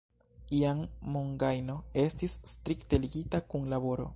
Iam mongajno estis strikte ligita kun laboro.